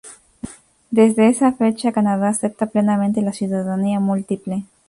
Desde esa fecha Canadá acepta plenamente la ciudadanía múltiple.